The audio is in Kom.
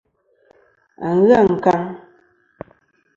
A ghɨ ankaŋ.